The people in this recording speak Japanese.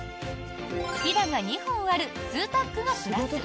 ひだが２本あるツータックがプラス。